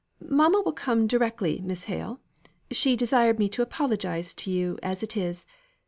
"Mamma will come directly, Miss Hale. She desired me to apologise to you as it is.